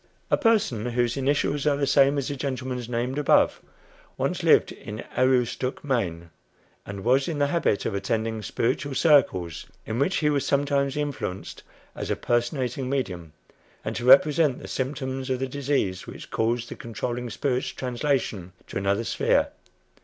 A person, whose initials are the same as the gentleman's named above, once lived in Aroostook, Maine, and was in the habit of attending "spiritual circles," in which he was sometimes influenced as a "personating medium," and to represent the symptoms of the disease which caused the controlling spirit's translation to another sphere.